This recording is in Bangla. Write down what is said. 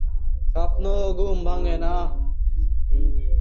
আমাদের জাতের ধর্ম এইরূপ–আমরা মায়াবিনী।